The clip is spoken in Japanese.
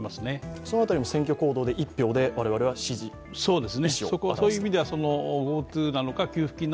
その辺りも選挙行動で１票で支持を出す。